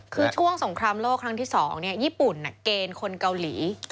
คือช่วงสงครามโลกครั้งที่๒ญี่ปุ่นเกณฑ์คนเกาหลี